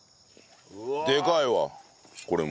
でかいわこれも。